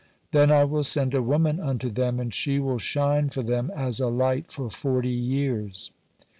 Then I will send a woman unto them, and she will shine for them as a light for forty years."